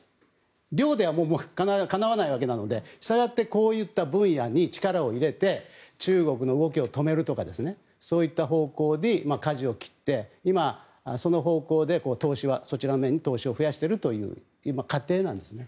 量ではかなわないわけなのでしたがってこういった分野に力を入れて中国の動きを止めるとかそういった方向にかじを切って今、その方向でそちらの面に投資をしているという今、過程なんですね。